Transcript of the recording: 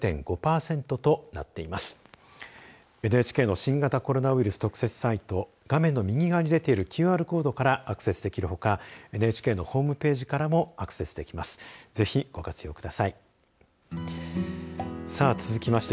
ＮＨＫの新型コロナウイルス特設サイト、画面の右側に出ているＱＲコードからアクセスできるほかＮＨＫのホームページからもアクセスできます。